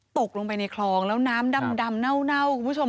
ตกลงไปในคลองแล้วน้ำดำเน่าคุณผู้ชม